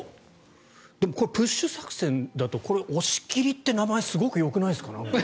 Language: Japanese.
でも、プッシュ作戦だと押切って名前すごくよくないですか？